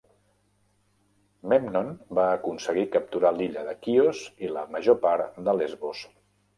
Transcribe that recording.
Memnon va aconseguir capturar l'illa de Quios i la major part de Lesbos.